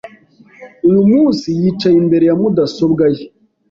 Uyu munsi yicaye imbere ya mudasobwa ye.